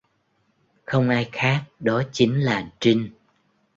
Không ai khác đó chính là Trinh